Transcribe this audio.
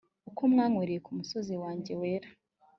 uko mwanywereye ku musozi wanjye wera